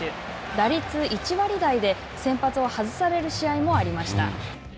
打率１割台で、先発を外される試合もありました。